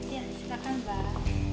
iya silakan mbak